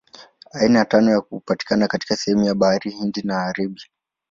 Aina ya tano hupatikana katika sehemu ya Bara Hindi na Arabia.